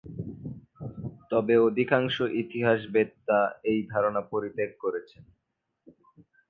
তবে অধিকাংশ ইতিহাসবেত্তা এই ধারণা পরিত্যাগ করেছেন।